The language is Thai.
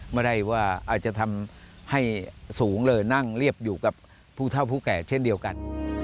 ไม่ได้ว่าอาจจะทำให้สูงเลยนั่งเรียบอยู่กับผู้เท่าผู้แก่เช่นเดียวกัน